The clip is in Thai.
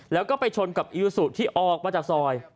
แล้วก็ไปชนกับอิวสุที่ออกมาจากซอย